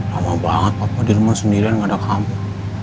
lama banget papa di rumah sendirian gak ada kamu